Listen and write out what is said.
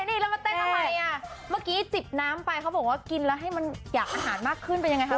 นี่แล้วมาเต้นทำไมอ่ะเมื่อกี้จิบน้ำไปเขาบอกว่ากินแล้วให้มันอยากอาหารมากขึ้นเป็นยังไงคะ